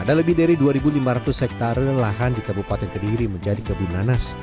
ada lebih dari dua lima ratus hektare lahan di kabupaten kediri menjadi kebun nanas